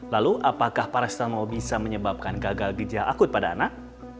lalu apakah paracetamol bisa menyebabkan gagal ginjal akut pada anak